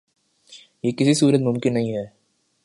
یہ کسی صورت ممکن نہیں ہے